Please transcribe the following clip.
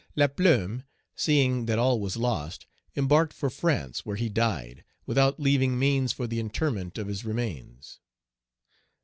Page 271 Laplume, seeing that all was lost, embarked for France, where he died, without leaving means for the interment of his remains.